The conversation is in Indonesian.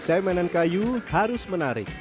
desain mainan kayu harus menarik